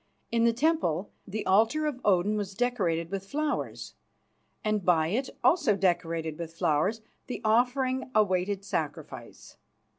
In the temple the altar of Odin was decorated with flowers, and by it, also decorated with flowers, the offering awaited sacrifice.